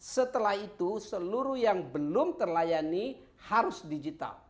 setelah itu seluruh yang belum terlayani harus digital